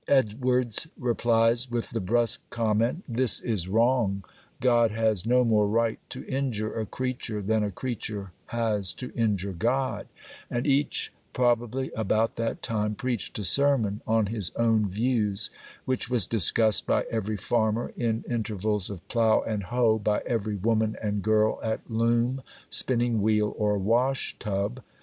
Edwards replies with the brusque comment:—'This is wrong; God has no more right to injure a creature than a creature has to injure God;' and each probably about that time preached a sermon on his own views, which was discussed by every farmer, in intervals of plough and hoe, by every woman and girl, at loom, spinning wheel, or wash tub.